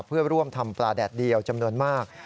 เพื่อร่วมทำปลาแดดเดียวจำนวนมาก